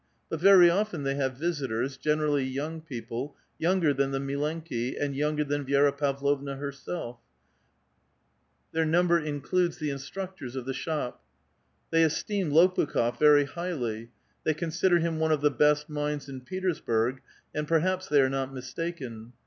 But very often thev have visitors, generally young people, younger than the " mllcnhi, and younger than Vi^ra Pavlovna herself; their number in cludes the instructors of the shop. I'hey esteem Lopukh6f very highly ; they consider him one of the best minds in Petersburg, and perhaps they are not mistaken.